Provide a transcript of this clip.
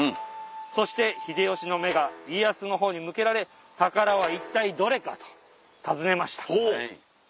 そして秀吉の目が家康のほうに向けられ「宝は一体どれか？」と尋ねました。